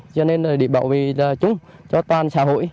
để bảo vệ chúng cho toàn xã hội